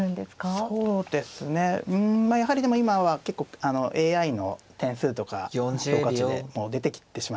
そうですねうんまあやはりでも今は結構ＡＩの点数とか評価値でも出てきてしまいますからね